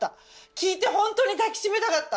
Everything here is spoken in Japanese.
聞いてホントに抱き締めたかった。